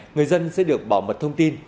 người dân sẽ được bảo mật thông tin